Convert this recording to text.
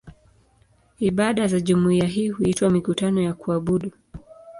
Ibada za jumuiya hii huitwa "mikutano ya kuabudu".